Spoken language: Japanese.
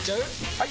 ・はい！